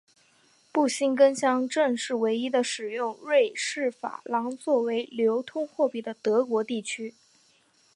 布辛根乡镇是唯一的使用瑞士法郎作为流通货币的德国地区。